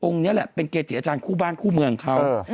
นี้แหละเป็นเกจิอาจารย์คู่บ้านคู่เมืองเขา